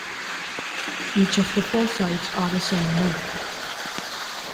Each of the four sides are the same length.